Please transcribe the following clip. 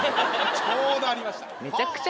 ちょうどありました。